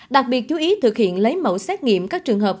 đặc biệt chú ý thực hiện lấy mẫu xét nghiệm các trường hợp